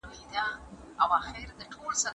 زما زړه غوښتل چې یوه ورځ هغه معلمه له نږدې وګورم.